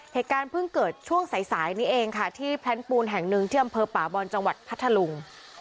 เหตุการณ์เพิ่งเกิดช่วงสายสายนี้เองค่ะที่แพลนปูนแห่งหนึ่งที่อำเภอป่าบอลจังหวัดพัทธลุง